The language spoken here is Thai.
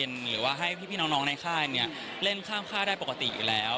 ของชั้นหรือว่าให้พี่พี่น้องในค่ายเนี่ยเล่นข้ามค่าได้ปกติอยู่แล้ว